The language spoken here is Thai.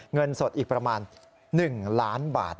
เงินสดอีกประมาณ๑ล้านบาท